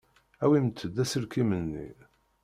Awimt-d aselkim-nni.